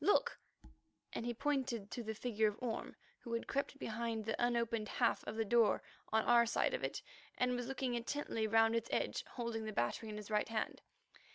Look," and he pointed to the figure of Orme, who had crept behind the unopened half of the door on our side of it and was looking intently round its edge, holding the battery in his right hand.